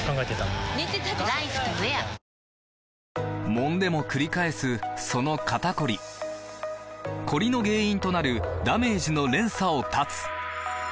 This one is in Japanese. もんでもくり返すその肩こりコリの原因となるダメージの連鎖を断つ！